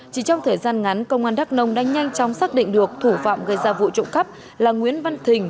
chỉ trong thời gian ngắn công an đắk nông đã nhanh chóng xác định được thủ phạm gây ra vụ trộm khắp là nguyễn văn thình